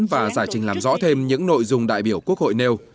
và giải trình làm rõ thêm những nội dung đại biểu quốc hội nêu